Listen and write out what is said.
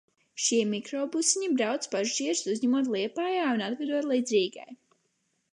Šie mikrobusiņi brauc, pasažierus uzņemot Liepājā un atvedot līdz Rīgai.